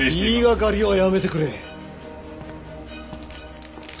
言いがかりはやめてくれ！